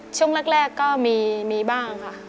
ช่วงแรกก็มีบ้างค่ะ